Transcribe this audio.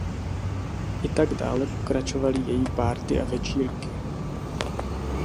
I tak dále pokračovaly její party a večírky.